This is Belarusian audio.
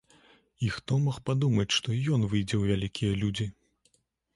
І хто мог падумаць, што і ён выйдзе ў вялікія людзі!